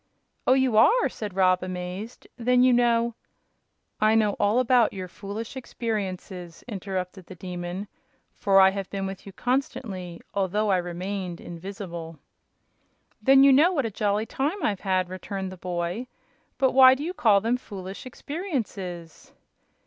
"Oh, you are!" said Rob, amazed. "Then you know " "I know all about your foolish experiences," interrupted the Demon, "for I have been with you constantly, although I remained invisible." "Then you know what a jolly time I've had," returned the boy. "But why do you call them foolish experiences?"